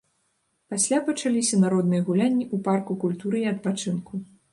Пасля пачаліся народныя гулянні ў парку культуры і адпачынку.